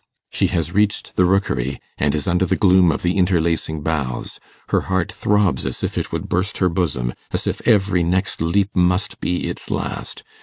She has reached the Rookery, and is under the gloom of the interlacing boughs. Her heart throbs as if it would burst her bosom as if every next leap must be its last.